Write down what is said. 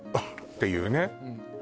ていうね